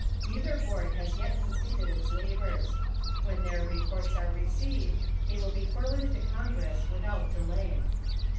Neither board has yet completed its labors. When their reports are received, they will be forwarded to Congress without delay.